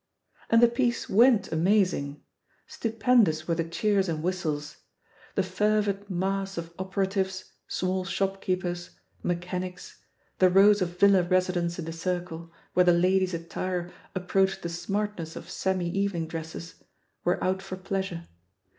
And the piece went amazing: stupendous were the cheers and whistles. The fervid mass of oper atives, small shopkeepers, mechanics, the rows of villa residents in the circle, where the ladies' at tire approached the smartness of semi evening dresses, were out for pleasure.